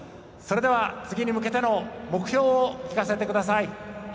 それでは次に向けての目標を聞かせてください。